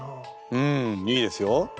うんいいですよ。